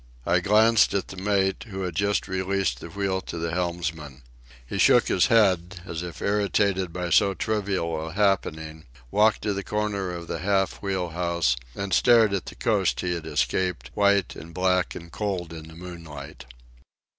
I glanced at the mate, who had just released the wheel to the helmsmen. He shook his head, as if irritated by so trivial a happening, walked to the corner of the half wheelhouse, and stared at the coast he had escaped, white and black and cold in the moonlight.